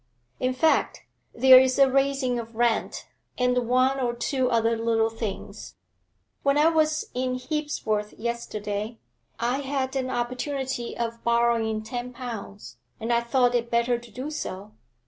In fact, there's a raising of rent, and one or two other little things. When I was in Hebsworth yesterday I had an opportunity of borrowing ten pounds, and I thought it better to do so.